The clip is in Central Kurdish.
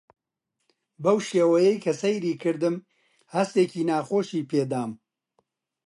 بەو شێوەیەی کە سەیری کردم هەستێکی ناخۆشی پێ دام.